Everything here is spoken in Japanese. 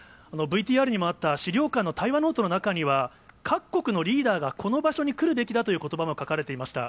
ＶＴＲにもあった資料館の対話ノートの中には、各国のリーダーが、この場所に来るべきだということばが書かれていました。